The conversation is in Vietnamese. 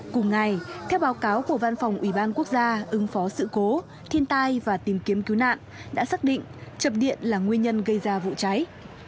cùng ngày theo báo cáo của văn phòng ủy ban quốc gia ứng phó sự cố thiên tai và tìm kiếm cứu nạn đã xác định chập điện là nguyên nhân gây ra vụ cháy